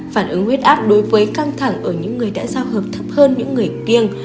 phản ứng huyết áp đối với căng thẳng ở những người đã giao hợp thấp hơn những người kiêng